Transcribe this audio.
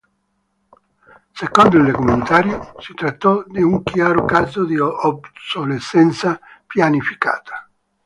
Secondo il documentario, si trattò di un chiaro caso di obsolescenza pianificata.